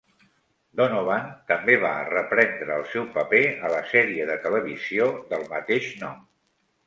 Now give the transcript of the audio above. Donovan també va reprendre el seu paper a la sèrie de televisió del mateix nom.